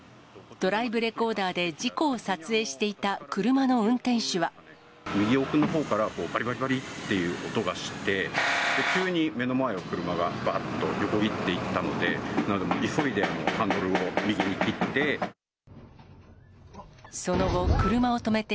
ドライブレコーダーで事故を右奥のほうから、ばりばりばりっていう音がして、急に目の前を車が、ばーっと横切っていったので、急いでハンドルを右に切って。